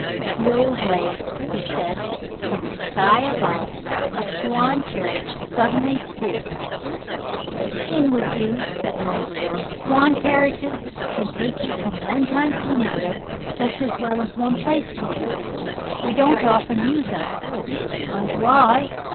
"The old way," he said; and from the sky above a swan carriage suddenly swooped. "In with you," said the Mouldiwarp; "swan carriages can take you from one time to another just as well as one place to another. But we don't often use 'em 'cause why?